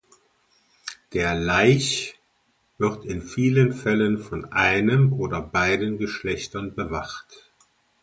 Der Laich wird in vielen Fällen von einem oder beiden Geschlechtern bewacht.